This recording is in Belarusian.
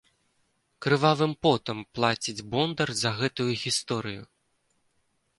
Крывавым потам плаціць бондар за гэтую гісторыю.